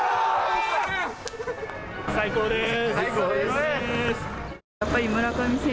最高です。